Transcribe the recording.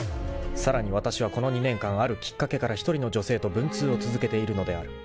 ［さらにわたしはこの２年間あるきっかけから一人の女性と文通を続けているのである］